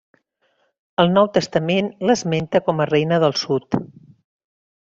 El Nou Testament l'esmenta com a reina del Sud.